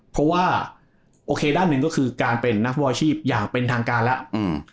เพราะว่าด้านหนึ่งก็คือการเป็นนักว่าชีพอย่างเป็นทางการแล้ว